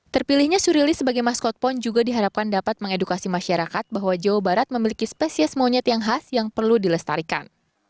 terpilihnya surili sebagai maskot pon juga diharapkan dapat mengedukasi masyarakat bahwa jawa barat memiliki spesies monyet yang khas yang perlu dilestarikan